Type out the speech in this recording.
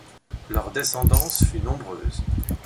Leur descendance fut nombreuse.